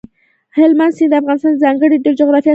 هلمند سیند د افغانستان د ځانګړي ډول جغرافیه استازیتوب کوي.